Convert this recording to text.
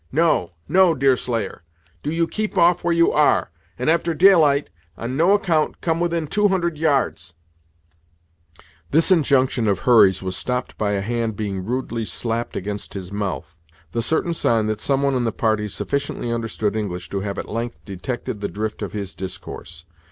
No, no, Deerslayer do you keep off where you are, and after daylight, on no account come within two hundred yards " This injunction of Hurry's was stopped by a hand being rudely slapped against his mouth, the certain sign that some one in the party sufficiently understood English to have at length detected the drift of his discourse.